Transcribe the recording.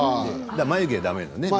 眉毛もだめだよね？